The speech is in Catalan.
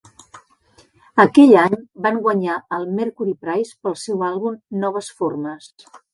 Aquell any van guanyar el Mercury Prize pel seu àlbum "noves formes".